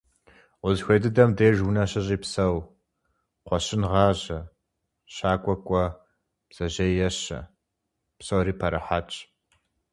Узыхуей дыдэм деж унэ щыщӀи псэу: кхъуэщын гъажьэ, щакӀуэ кӀуэ, бдзэжьей ещэ. Псори пэрыхьэтщ.